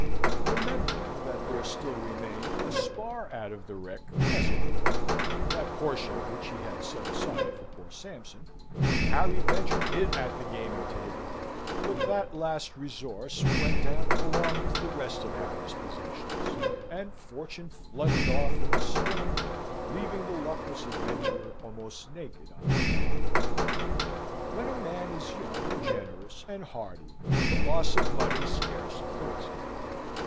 Remembering that there still remained a spar out of the wreck, as it were that portion which he had set aside for poor Sampson Harry ventured it at the gaming table; but that last resource went down along with the rest of Harry's possessions, and Fortune fluttered off in the storm, leaving the luckless adventurer almost naked on the shore. When a man is young and generous and hearty the loss of money scarce afflicts him.